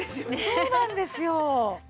そうなんですよ。